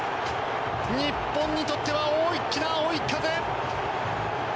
日本にとっては大きな追い風！